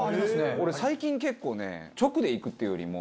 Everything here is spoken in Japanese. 俺最近結構ね直で行くっていうよりも。